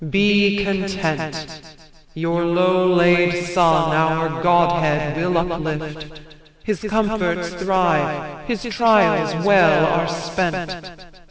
Be content; Your low laid son our godhead will uplift; His comforts thrive, his trials well are spent.